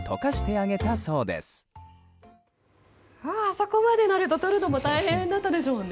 あそこまでになるととるのも大変だったでしょうね。